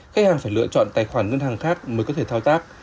khách hàng phải lựa chọn tài khoản ngân hàng khác mới có thể thao tác